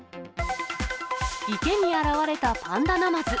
池に現れたパンダナマズ。